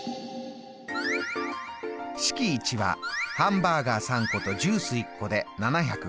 式１はハンバーガー３個とジュース１個で７５０円。